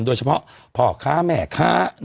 โดยเฉพาะพ่อค้าแม่ค้า